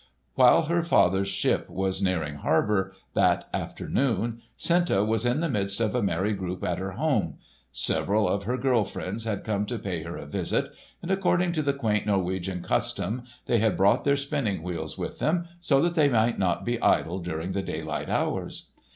While her father's ship was nearing harbour that afternoon, Senta was in the midst of a merry group at her home. Several of her girl friends had come to pay her a visit, and, according to the quaint Norwegian custom, they had brought their spinning wheels with them so that they might not be idle during the daylight hours.